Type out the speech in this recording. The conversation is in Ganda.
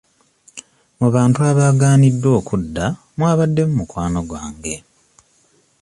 Mu bantu abaaganiddwa okudda mwabaddemu mukwano gwange.